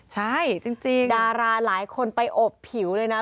ใช่จริงดาราหลายคนไปอบผิวเลยนะ